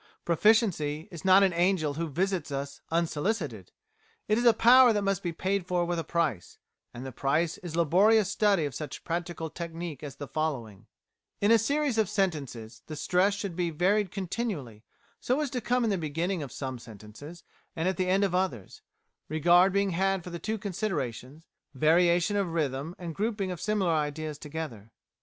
Proficiency is not an angel who visits us unsolicited; it is a power that must be paid for with a price, and the price is laborious study of such practical technique as the following: "In a series of sentences the stress should be varied continually so as to come in the beginning of some sentences, and at the end of others, regard being had for the two considerations, variation of rhythm, and grouping of similar ideas together."